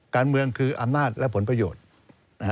การเมืองคืออำนาจและผลประโยชน์